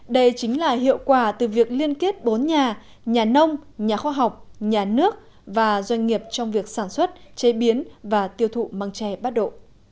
đây chính là hiệu quả từ việc liên kết bốn nhà nhà nông nhà khoa học nhà nước và doanh nghiệp trong việc sản xuất chế biến và tiêu thụ măng tre bát độ